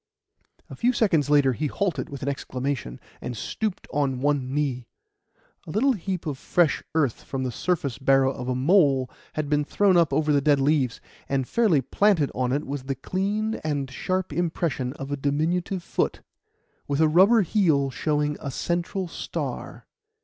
A few seconds later he halted with an exclamation, and stooped on one knee. A little heap of fresh earth from the surface burrow of a mole had been thrown up over the dead leaves; and fairly planted on it was the clean and sharp impression of a diminutive foot, with a rubber heel showing a central star.